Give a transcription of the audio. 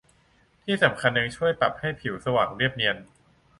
ที่สำคัญยังช่วยปรับให้ผิวสว่างเรียบเนียน